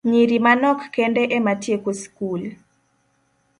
Nyiri manok kende ema tieko skul